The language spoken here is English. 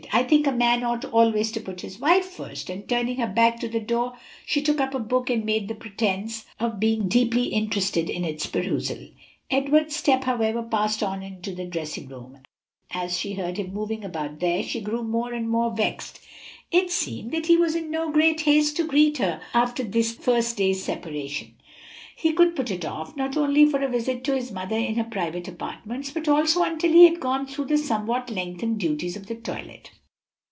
"I think a man ought always to put his wife first." And turning her back to the door, she took up a book and made a pretence of being deeply interested in its perusal. Edward's step, however, passed on into the dressing room, and as she heard him moving about there, she grew more and more vexed. It seemed that he was in no great haste to greet her after this their first day's separation; he could put it off, not only for a visit to his mother in her private apartments, but also until he had gone through the somewhat lengthened duties of the toilet.